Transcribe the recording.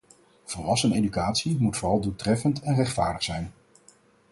Volwasseneneducatie moet vooral doeltreffend en rechtvaardig zijn.